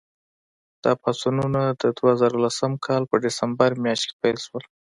دا پاڅونونه د دوه زره لسم کال په ډسمبر میاشت کې پیل شول.